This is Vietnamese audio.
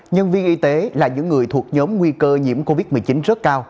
nhân viên y tế là những người thuộc nhóm nguy cơ nhiễm covid một mươi chín rất cao